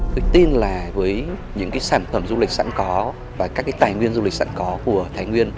tôi tin là với những cái sản phẩm du lịch sẵn có và các cái tài nguyên du lịch sẵn có của thái nguyên